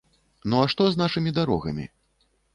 Ну а што з нашымі дарогамі?